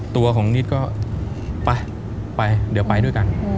ตัวของนิดก็ไปไปเดี๋ยวไปด้วยกัน